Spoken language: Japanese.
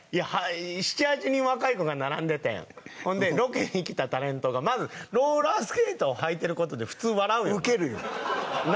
７８人若い子が並んでてんほんでロケに来たタレントがまずローラースケートを履いてることで普通笑うよなウケるよな